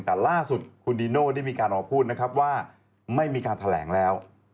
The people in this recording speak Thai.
แต่ล่าสุดคุณดิโน่ได้มีการออกพูดนะครับว่าไม่มีการแถลงแล้ว